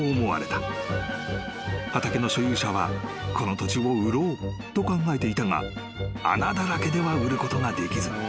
［畑の所有者はこの土地を売ろうと考えていたが穴だらけでは売ることができず］